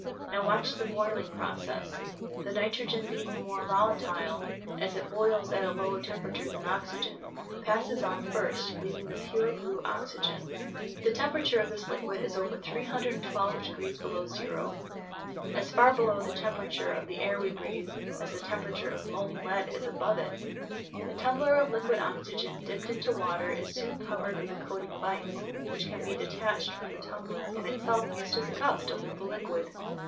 Now watch the boiling process. The nitrogen being more volatile as it boils at a lower temperature than oxygen passes off first, leaving the pure, blue oxygen. The temperature of this liquid is over 312 degrees below zero (as far below the temperature of the air we breathe as the temperature of molten lead is above it!). A tumbler of liquid oxygen dipped into water is soon covered with a coating of ice, which can be detached from the tumbler and itself used as a cup to hold the liquid.